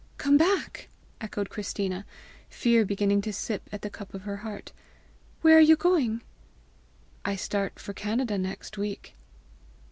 "Come back!" echoed Christina, fear beginning to sip at the cup of her heart. "Where are you going?" "I start for Canada next week."